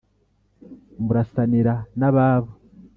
murasanira n’ababo